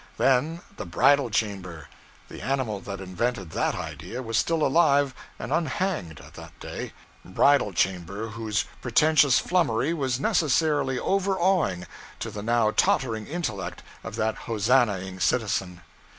Then the Bridal Chamber the animal that invented that idea was still alive and unhanged, at that day Bridal Chamber whose pretentious flummery was necessarily overawing to the now tottering intellect of that hosannahing citizen.